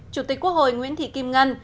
chủ tịch quốc hội nguyễn thị kim ngân